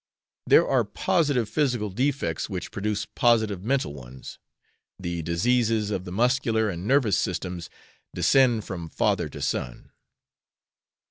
There are positive physical defects which produce positive mental ones; the diseases of the muscular and nervous systems descend from father to son.